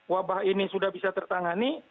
wabah ini sudah bisa tertangani